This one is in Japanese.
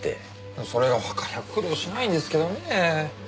それがわかりゃあ苦労しないんですけどねぇ。